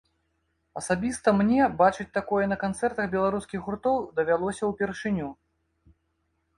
Асабіста мне бачыць такое на канцэртах беларускіх гуртоў давялося ўпершыню.